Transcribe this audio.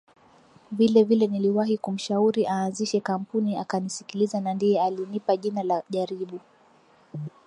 vilevile niliwahi kumshauri aanzishe kampuni akanisikiliza na ndiye alinipa jina la jaribu